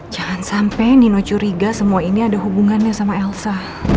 jangan sampai nino curiga semua ini ada hubungannya sama elsa